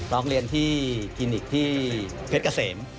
ร้องเรียนที่คลินิกที่เพชรเกษม